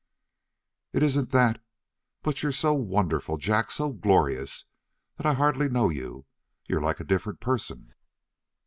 "It isn't that, but you're so wonderful, Jack, so glorious, that I hardly know you. You're like a different person."